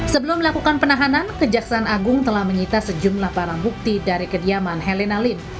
sebelum melakukan penahanan kejaksaan agung telah menyita sejumlah barang bukti dari kediaman heli nalim